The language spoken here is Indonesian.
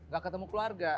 gak ketemu keluarga